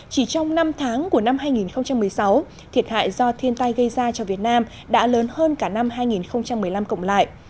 chỉ trong năm tháng của năm hai nghìn một mươi sáu thiệt hại do thiên tai gây ra cho việt nam đã lớn hơn cả năm hai nghìn một mươi năm cộng lại